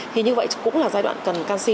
thì như vậy cũng là giai đoạn cần canxi